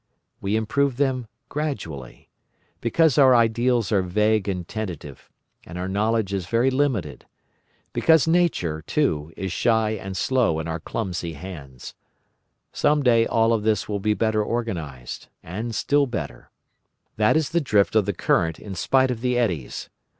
We improve them gradually, because our ideals are vague and tentative, and our knowledge is very limited; because Nature, too, is shy and slow in our clumsy hands. Some day all this will be better organised, and still better. That is the drift of the current in spite of the eddies.